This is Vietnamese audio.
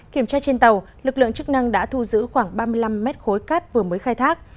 kiểm tra trên tàu lực lượng chức năng đã thu giữ khoảng ba mươi năm mét khối cát vừa mới khai thác